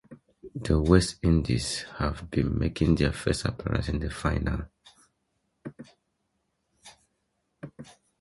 The West Indies had been making their first appearance in the final.